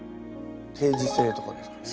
定時制とかですかね？